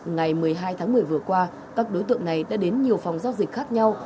ngày một mươi hai tháng một mươi vừa qua các đối tượng này đã đến nhiều phòng giao dịch khác nhau